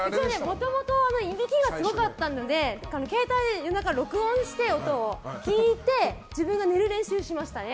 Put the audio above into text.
もともといびきがすごかったので携帯で夜中録音して、聞いて自分が寝る練習しましたね。